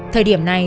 thời điểm này